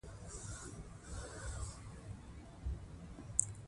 که نجونې ښوونځي ته نه ځي، ودونه ژر کېږي.